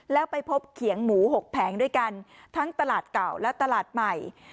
แล้วไปพบเขียงหมู๖แผงด้วยกันทั้งตลาดเก่าและตลาดใหม่